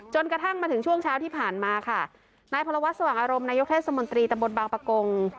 กระทั่งมาถึงช่วงเช้าที่ผ่านมาค่ะนายพรวัฒนสว่างอารมณ์นายกเทศมนตรีตำบลบางปะกง